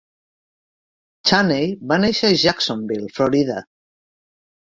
Chaney va néixer a Jacksonville, Florida.